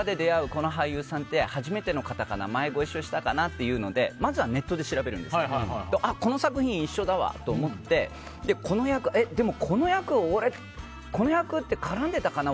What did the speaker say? この俳優さんって初めての方かな前ご一緒したかなっていうのでまずはネットで調べるんですけどあ、この作品一緒だわって思って、でもこの役って絡んでたかな